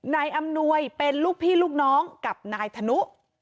นายอำนวยเป็นลูกพี่ลูกน้องกับนายธนุ